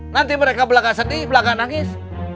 nanti mereka belaka sedih belaka nangis